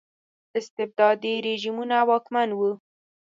استبدادي رژیمونه واکمن وو.